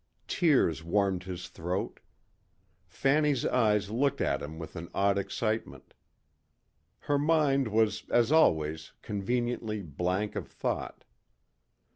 Tears warmed his throat. Fanny's eyes looked at him with an odd excitement. Her mind was as always conveniently blank of thought.